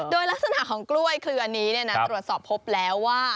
โดยลักษณะของกล้วยเครือนี้ตรวจสอบพบแล้วว่า